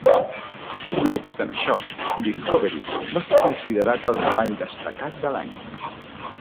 No obstant això, Discovery va ser considerat el cavall destacat de l'any.